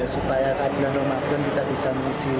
supaya bulan ramadan kita bisa mengisi